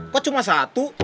kok cuma satu